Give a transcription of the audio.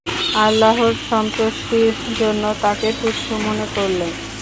আল্লাহর সন্তুষ্টির জন্য তাকে তুচ্ছ মনে করলেন।